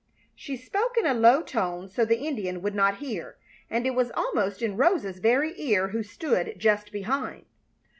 She spoke in a low tone so the Indian would not hear, and it was almost in Rosa's very ear, who stood just behind.